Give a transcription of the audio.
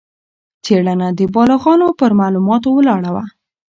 څېړنه د بالغانو پر معلوماتو ولاړه وه.